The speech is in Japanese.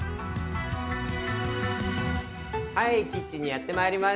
はいキッチンにやってまいりました。